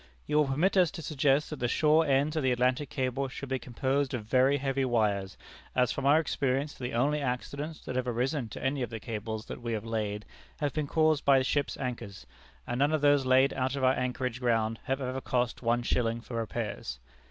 "You will permit us to suggest that the shore ends of the Atlantic Cable should be composed of very heavy wires, as from our experience the only accidents that have arisen to any of the cables that we have laid have been caused by ships' anchors, and none of those laid out of anchorage ground have ever cost one shilling for repairs.